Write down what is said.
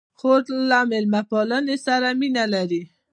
خور له میلمه پالنې سره مینه لري.